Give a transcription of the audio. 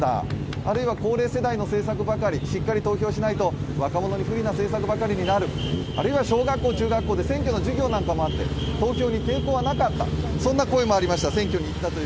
あるいは高齢世代の政策ばかり、しっかり投票しないと若者に不利な政策ばかりになるあるいは小学校、中学校で選挙の授業なんかもあって、投票に抵抗がなかったという声がありました。